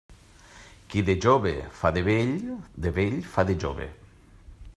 Qui de jove fa de vell, de vell fa de jove.